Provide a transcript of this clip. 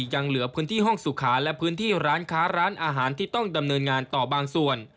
ยังเหลือพื้นที่ห้องสุขาและพื้นที่ร้านค้าร้านอาหารที่ต้องดำเนินงานต่อบางส่วน